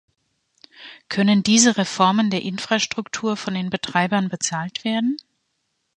Können diese Reformen der Infrastruktur von den Betreibern bezahlt werden?